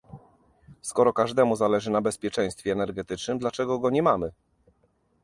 Skoro każdemu zależy na bezpieczeństwie energetycznym, dlaczego go nie mamy?